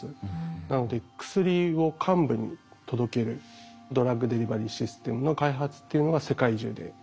なので薬を患部に届けるドラッグデリバリーシステムの開発っていうのが世界中でなされています。